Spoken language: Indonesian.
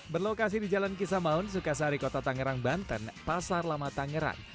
berlokasi di jalan kisah maun sukasari kota tangerang banten pasar lama tangerang